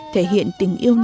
thể hiện tình yêu hò hẹn